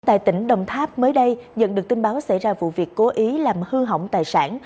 tại tỉnh đồng tháp mới đây nhận được tin báo xảy ra vụ việc cố ý làm hư hỏng tài sản